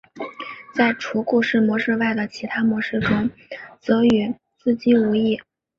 在除故事模式外的其他模式中则与自机无异。